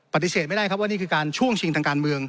ปฏิเสธไม่ได้ครับว่านี่คือการช่วงชิงทางการเมือง